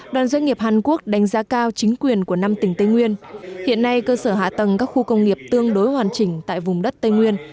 đoàn doanh nghiệp hàn quốc đánh giá cao chính quyền của năm tỉnh tây nguyên hiện nay cơ sở hạ tầng các khu công nghiệp tương đối hoàn chỉnh tại vùng đất tây nguyên